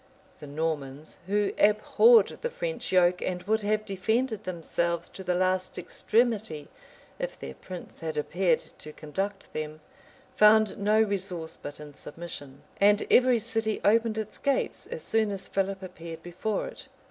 The Normans, who abhorred the French yoke and who would have defended themselves to the last extremity, if their prince had appeared to conduct them, found no resource but in submission; and every city opened its gates as soon as Philip appeared before it.